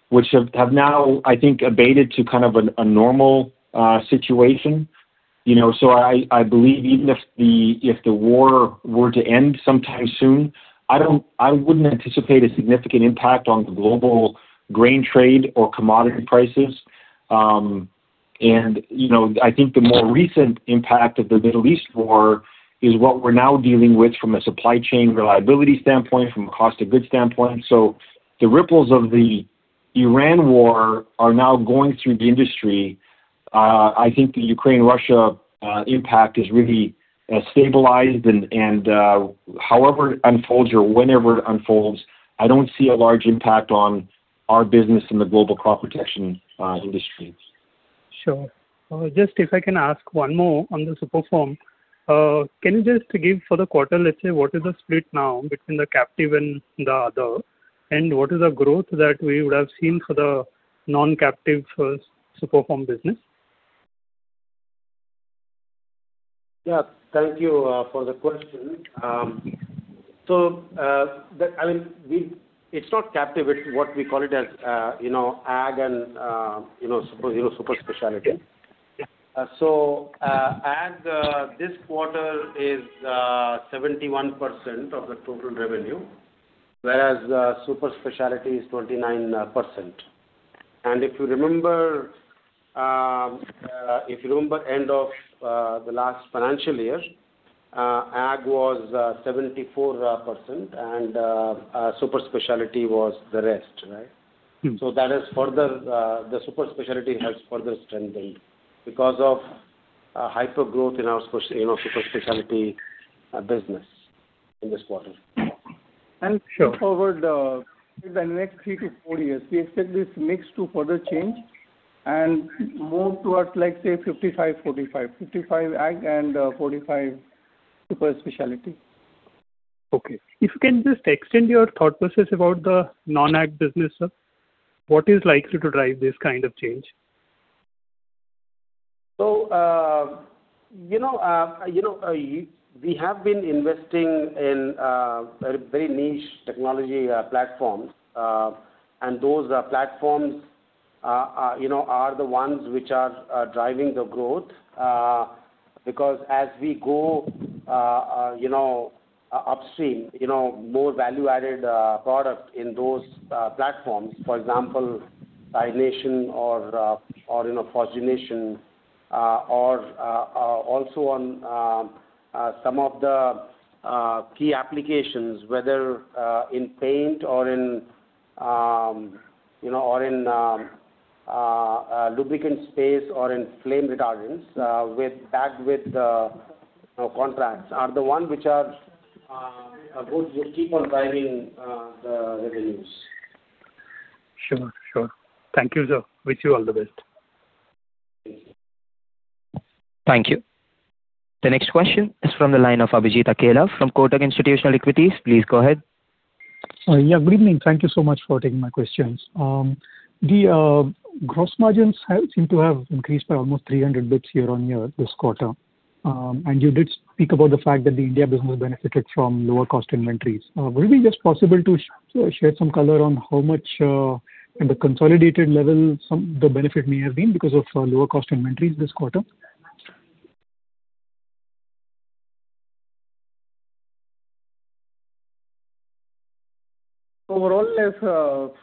which have now, I think, abated to kind of a normal situation. I believe even if the war were to end sometime soon, I wouldn't anticipate a significant impact on the global grain trade or commodity prices. I think the more recent impact of the Middle East war is what we're now dealing with from a supply chain reliability standpoint, from a cost of goods standpoint. The ripples of the Iran war are now going through the industry. I think the Ukraine-Russia impact is really stabilized. However it unfolds or whenever it unfolds, I don't see a large impact on our business in the global crop protection industry. Sure. Just if I can ask one more on the SUPERFORM. Can you just give for the quarter, let's say, what is the split now between the captive and the other? What is the growth that we would have seen for the non-captive SUPERFORM business? Thank you for the question. It's not captive. It's what we call ag and super specialty. Yeah. Ag this quarter is 71% of the total revenue, whereas super specialty is 29%. If you remember end of the last financial year, ag was 74% and super specialty was the rest. Right? That is the super specialty has further strengthened because of hyper growth in our super specialty business in this quarter. Look forward in the next three to four years, we expect this mix to further change and move towards, let's say, 55/45. 55 ag and 45 super specialty. Okay. If you can just extend your thought process about the non-ag business, sir. What is likely to drive this kind of change? We have been investing in very niche technology platforms. Those platforms are the ones which are driving the growth. As we go upstream, more value-added product in those platforms. For example, titration or fluorination, or also on some of the key applications, whether in paint or in lubricant space or in flame retardants tagged with contracts are the ones which would keep on driving the revenues. Sure. Thank you, sir. Wish you all the best. Thank you. Thank you. The next question is from the line of Abhijit Akella from Kotak Institutional Equities. Please go ahead. Yeah, good evening. Thank you so much for taking my questions. The gross margins seem to have increased by almost 300 basis points year-on-year this quarter. You did speak about the fact that the India business benefited from lower cost inventories. Will it be just possible to share some color on how much in the consolidated level the benefit may have been because of lower cost inventories this quarter? Overall, if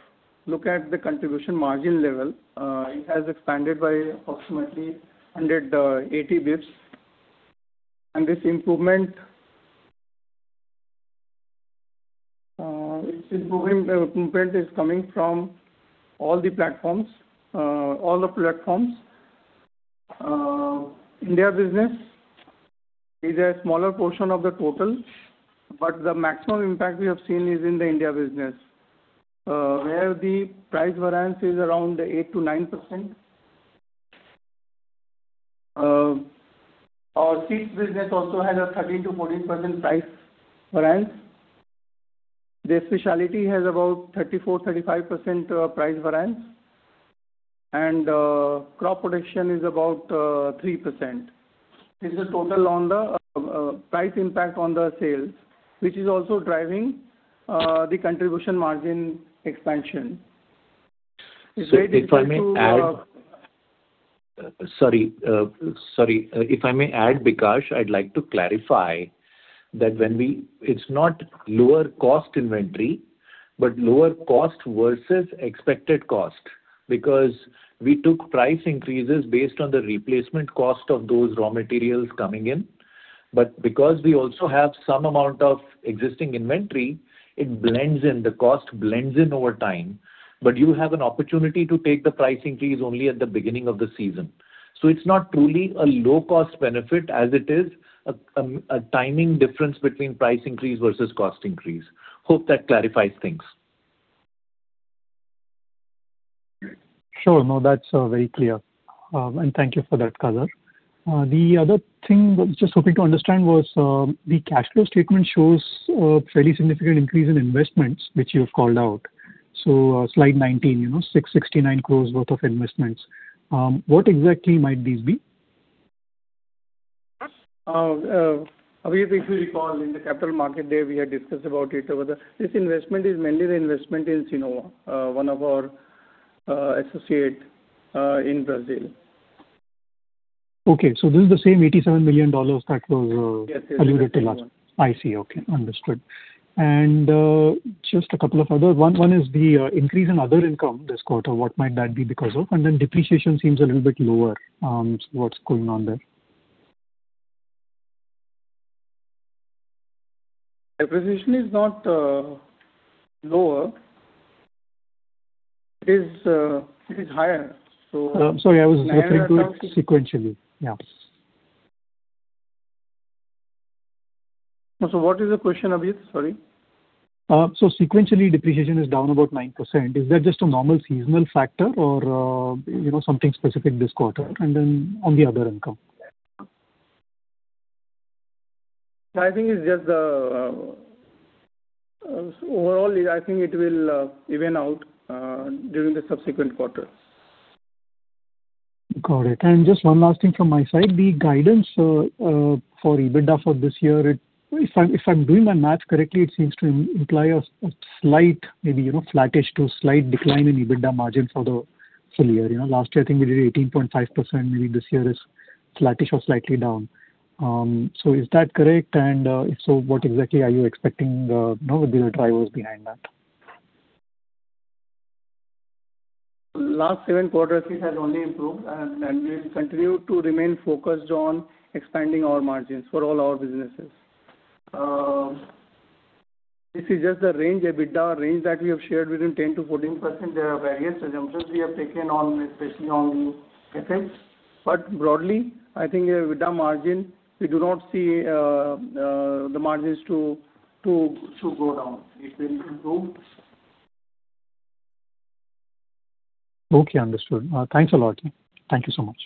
look at the contribution margin level, it has expanded by approximately 180 basis points. This improvement is coming from all the platforms. India business is a smaller portion of the total, but the maximum impact we have seen is in the India business, where the price variance is around eight to nine percent. Our seeds business also has a 13%-14% price variance. The specialty has about 34%-35% price variance, and crop protection is about 3%. This is total on the price impact on the sales, which is also driving the contribution margin expansion. It's very difficult to- Sorry, if I may add, Bikash, I'd like to clarify that it's not lower cost inventory, but lower cost versus expected cost. We took price increases based on the replacement cost of those raw materials coming in. Because we also have some amount of existing inventory, it blends in, the cost blends in over time. You have an opportunity to take the price increase only at the beginning of the season. It's not truly a low-cost benefit as it is a timing difference between price increase versus cost increase. Hope that clarifies things. Sure. No, that's very clear. Thank you for that color. The other thing I was just hoping to understand was, the cash flow statement shows a fairly significant increase in investments, which you've called out. Slide 19, 669 crore worth of investments. What exactly might these be? If you recall, in the capital market day, we had discussed about it. This investment is mainly the investment in Sinova, one of our associate in Brazil. Okay. This is the same INR 87 million that was. Yes. Alluded to last. I see. Okay. Understood. Just a couple of other. One is the increase in other income this quarter. What might that be because of? Then depreciation seems a little bit lower, so what's going on there? Depreciation is not lower. It is higher. Sorry. I was referring to it sequentially. Yeah. What is the question, Abhijit? Sorry. Sequentially, depreciation is down about 9%. Is that just a normal seasonal factor or something specific this quarter? Then on the other income. Overall, I think it will even out during the subsequent quarters. Got it. Just one last thing from my side. The guidance for EBITDA for this year, if I'm doing my maths correctly, it seems to imply a slight, maybe flattish to slight decline in EBITDA margin for the full year. Last year, I think we did 18.5%, maybe this year is flattish or slightly down. Is that correct? If so, what exactly are you expecting would be the drivers behind that? Last seven quarters, it has only improved, and we will continue to remain focused on expanding our margins for all our businesses. This is just a range, EBITDA range that we have shared within ten to 14%. There are various assumptions we have taken on, especially on the FX. Broadly, I think EBITDA margin, we do not see the margins to go down. It will improve. Okay, understood. Thanks a lot. Thank you so much.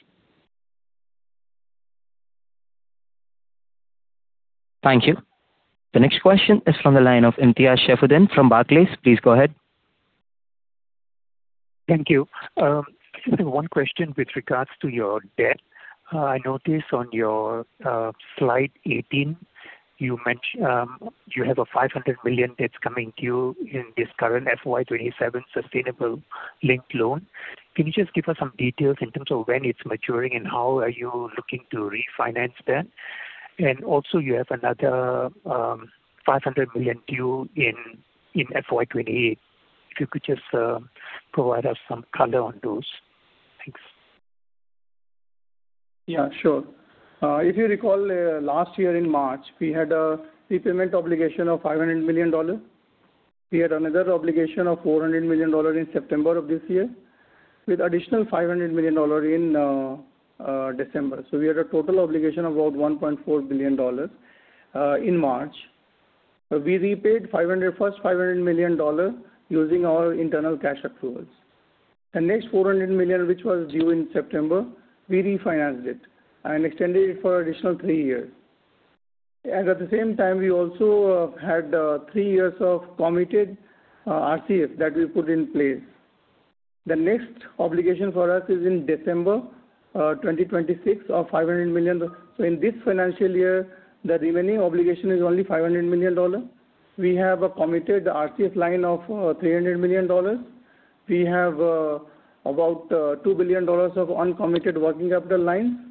Thank you. The next question is from the line of Imtiaz Shefuddin from Barclays. Please go ahead. Thank you. Just one question with regards to your debt. I noticed on your slide 18, you have a $500 million that is coming due in this current fiscal year 2027 sustainability-linked loan. Can you just give us some details in terms of when it is maturing and how are you looking to refinance that? Also you have another $500 million due in fiscal year 2028. If you could just provide us some color on those. Thanks. Yeah, sure. If you recall, last year in March, we had a prepayment obligation of $500 million. We had another obligation of $400 million in September of this year, with additional $500 million in December. We had a total obligation of about $1.4 billion in March. We repaid first $500 million using our internal cash approvals. The next $400 million, which was due in September, we refinanced it and extended it for additional three years. At the same time, we also had three years of committed RCF that we put in place. The next obligation for us is in December 2026 of $500 million. In this financial year, the remaining obligation is only $500 million. We have a committed RCF line of $300 million. We have about $2 billion of uncommitted working capital line.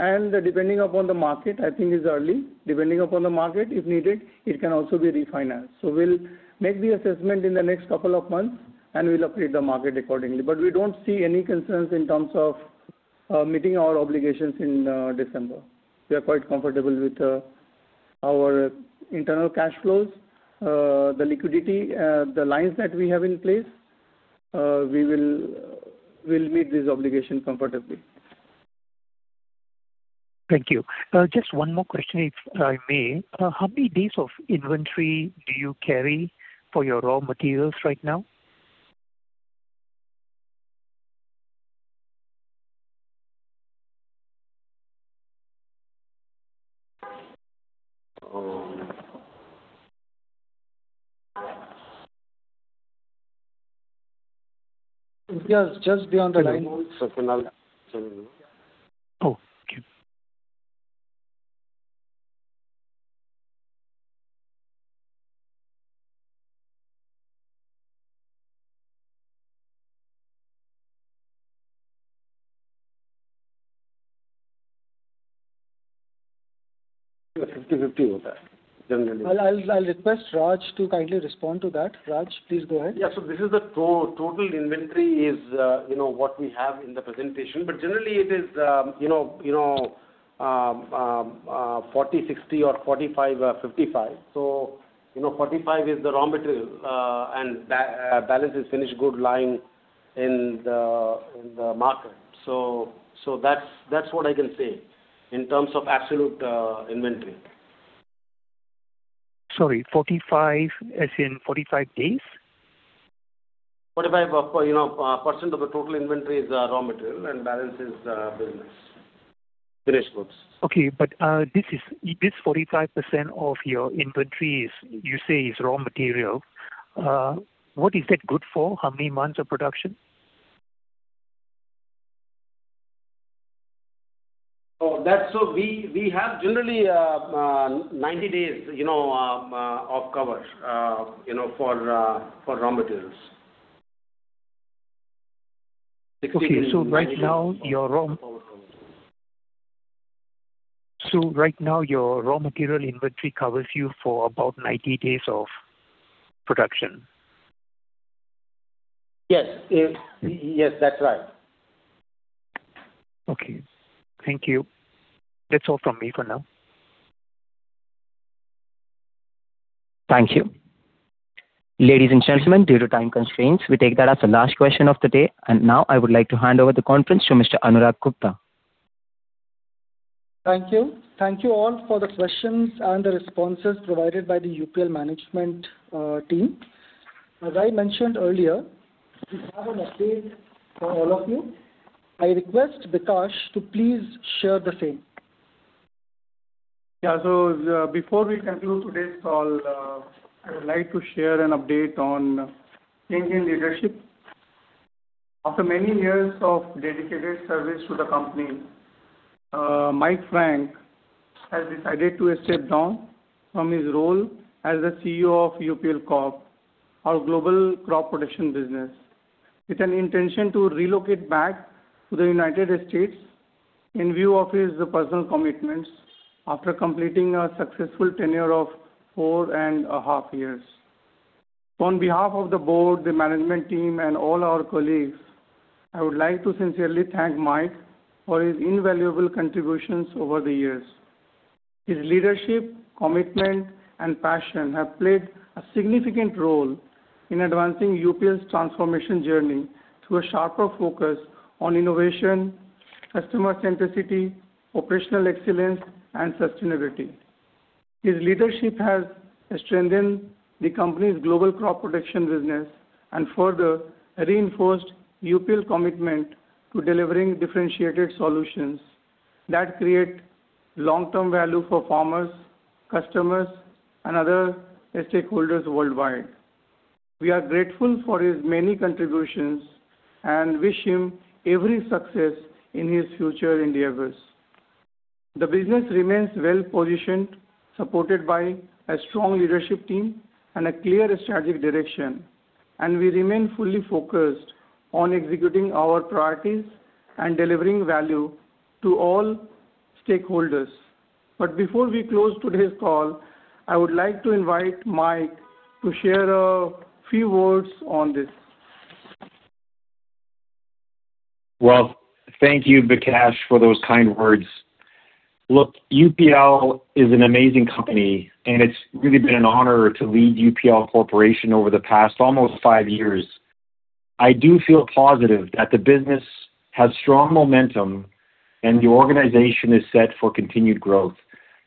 Depending upon the market, I think it's early, depending upon the market, if needed, it can also be refinanced. We'll make the assessment in the next couple of months, and we'll operate the market accordingly. We don't see any concerns in terms of meeting our obligations in December. We are quite comfortable with our internal cash flows, the liquidity, the lines that we have in place. We'll meet this obligation comfortably. Thank you. Just one more question, if I may. How many days of inventory do you carry for your raw materials right now? Yes, just be on the line. Okay. 50/50. Generally. I'll request Raj to kindly respond to that. Raj, please go ahead. This is the total inventory is what we have in the presentation, but generally it is 40/60 or 45/55. 45 is the raw material, and balance is finished good lying in the market. That's what I can say in terms of absolute inventory. Sorry, 45, as in 45 days? 45% of the total inventory is raw material and balance is business. Finished goods. Okay. This 45% of your inventory you say is raw material. What is that good for? How many months of production? We have generally 90 days of cover for raw materials. Okay. Right now your raw material inventory covers you for about 90 days of production. Yes, that's right. Okay. Thank you. That's all from me for now. Thank you. Ladies and gentlemen, due to time constraints, we take that as the last question of the day. Now I would like to hand over the conference to Mr. Anurag Gupta. Thank you. Thank you all for the questions and the responses provided by the UPL management team. As I mentioned earlier, we have an update for all of you. I request Bikash to please share the same. Yeah. Before we conclude today's call, I would like to share an update on changing leadership. After many years of dedicated service to the company, Mike Frank has decided to step down from his role as the Chief Executive Officer of UPL Corp, our global crop production business, with an intention to relocate back to the United States in view of his personal commitments after completing a successful tenure of four and a half years. On behalf of the board, the management team, and all our colleagues, I would like to sincerely thank Mike for his invaluable contributions over the years. His leadership, commitment and passion have played a significant role in advancing UPL's transformation journey through a sharper focus on innovation, customer centricity, operational excellence, and sustainability. His leadership has strengthened the company's global crop production business and further reinforced UPL commitment to delivering differentiated solutions that create long-term value for farmers, customers, and other stakeholders worldwide. We are grateful for his many contributions and wish him every success in his future endeavors. Before we close today's call, I would like to invite Mike to share a few words on this. Well, thank you, Bikash, for those kind words. Look, UPL is an amazing company, and it's really been an honor to lead UPL Corp over the past almost five years. I do feel positive that the business has strong momentum and the organization is set for continued growth.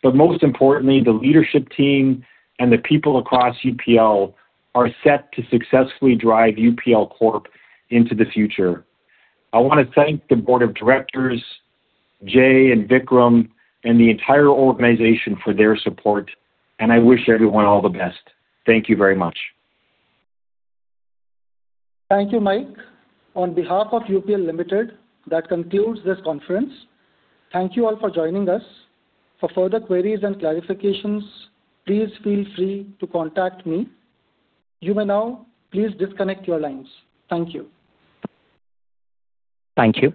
Most importantly, the leadership team and the people across UPL are set to successfully drive UPL Corp into the future. I want to thank the board of directors, Jai and Vikram, and the entire organization for their support, and I wish everyone all the best. Thank you very much. Thank you, Mike. On behalf of UPL Limited, that concludes this conference. Thank you all for joining us. For further queries and clarifications, please feel free to contact me. You may now please disconnect your lines. Thank you. Thank you